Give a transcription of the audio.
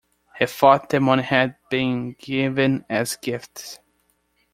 He thought the money had been given as gifts.